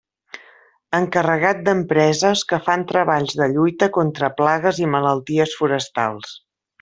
Encarregat d'empreses que fan treballs de lluita contra plagues i malalties forestals.